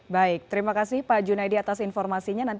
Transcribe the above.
baik terima kasih pak junaidi atas informasinya